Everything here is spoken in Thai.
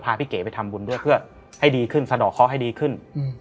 พี่เก๋ไปทำบุญด้วยเพื่อให้ดีขึ้นสะดอกเคาะให้ดีขึ้น